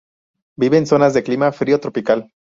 Vive en zonas de clima frío tropical.